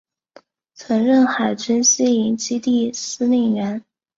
曾任海军西营基地司令员。